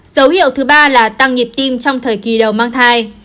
dấu hiệu thứ ba là tăng nhịp tim trong thời kỳ đầu mang thai